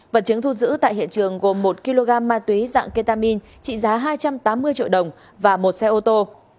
vật chứng thu giữ tại hiện trường gồm một kg ma túy dạng ketamin trị giá hai trăm tám mươi triệu đồng và một xe ô tô